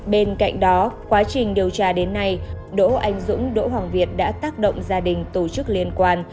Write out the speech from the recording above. bên cạnh đó quá trình điều tra đến nay đỗ anh dũng đỗ hoàng việt đã tác động gia đình tổ chức liên quan